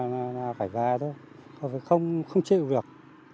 là phải và thôi không chịu được